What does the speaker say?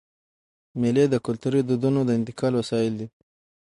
مېلې د کلتوري دودونو د انتقال وسایل دي.